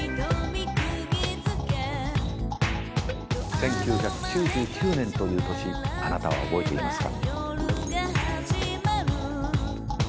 １９９９年という年あなたは覚えていますか？